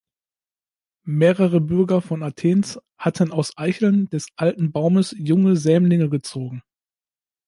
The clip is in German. Mehrere Bürger von Athens hatten aus Eicheln des alten Baumes junge Sämlinge gezogen.